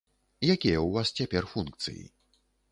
Якія ў вас цяпер функцыі?